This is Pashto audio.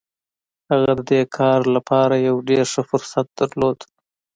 هغه د دې کار لپاره يو ډېر ښه فرصت درلود.